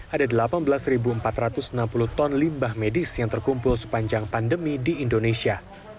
ada delapan belas empat ratus enam puluh ton limbah medis yang terkumpul sepanjang pandemi di indonesia